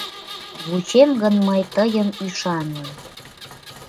Вучем гын мый тыйым ӱшанлын